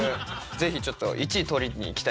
ぜひ１位取りにいきたいと思います。